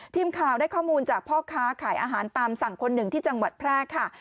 ทีมข่าวได้ข้อมูลจากพ่อค้าขายอาหารตามสั่งคนหนึ่งที่จังหวัดแพร่ค่ะ